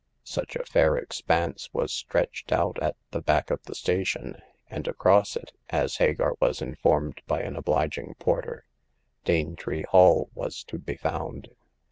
Such a fair expanse was stretched out at the back of the station, and across it — as Hagar was informed by an obHging porter — Danetree Hall was to be found.